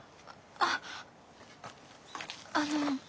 あっあの。